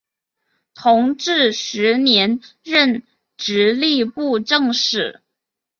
同治十年任直隶布政使。